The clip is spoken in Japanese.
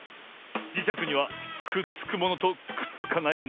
じしゃくにはくっつくものとくっつかないものがある。